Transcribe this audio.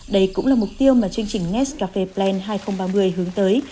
đây cũng là mục tiêu mà chương trình nescafe plan hai nghìn ba mươi hướng tới